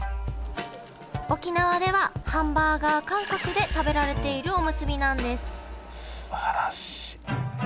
沖縄ではハンバーガー感覚で食べられているおむすびなんですすばらしい。